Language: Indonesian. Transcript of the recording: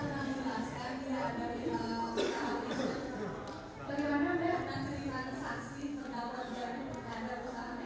nanti kita lihat bukti aplikasi pembayaran